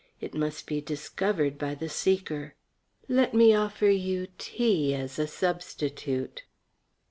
It must be discovered by the seeker. Let me offer you tea as a substitute."